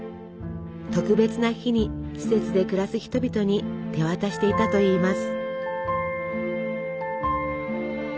特別な日に施設で暮らす人々に手渡していたといいます。